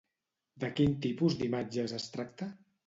De quin tipus d'imatges es tracta?